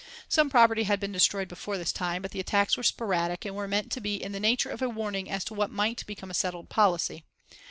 Some property had been destroyed before this time, but the attacks were sporadic, and were meant to be in the nature of a warning as to what might become a settled policy.